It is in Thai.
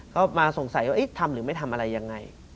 ก็มาสงสัยว่าทำหรือไม่ทำอะไรยังไง